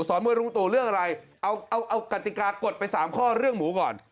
มวยลุงตู่เรื่องอะไรเอากติกากดไป๓ข้อเรื่องหมูก่อน